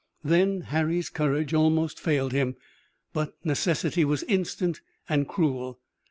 Then Harry's courage almost failed him, but necessity was instant and cruel.